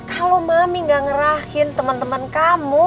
kalo mami gak ngerahin temen temen kamu